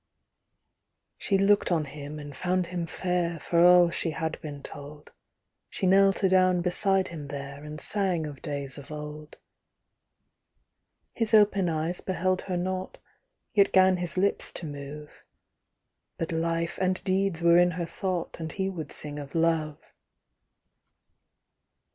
She looked on him, and found him fair For all she had been told; She knelt adown beside him there, And sang of days of old. His open eyes beheld her nought, Yet 'gan his lips to move; But life and deeds were in her thought, And he would sing of love.